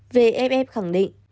vff khẳng định